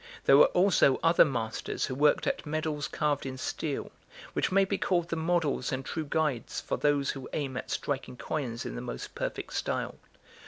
There were also other masters who worked at medals carved in steel, which may be called the models and true guides for those who aim at striking coins in the most perfect style.